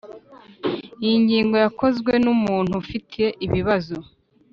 iyi ngingo yakozwe n umuntu ufite ibibazo